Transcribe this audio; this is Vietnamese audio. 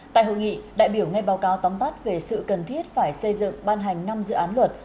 tại hội nghị đại biểu ngay báo cáo tóm tắt về sự cần thiết phải xây dựng ban hành năm dự án luật